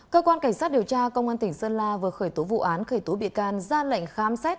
cơ quan cảnh sát điều tra công an tỉnh sơn la vừa khởi tố vụ án khởi tố bị can ra lệnh khám xét